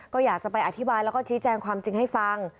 ก็อยากจะไปอธิบายแล้วก็ชี้แจงความจริงให้ฟัง